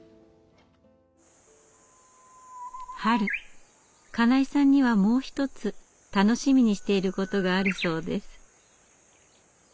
春金井さんにはもう一つ楽しみにしていることがあるそうです。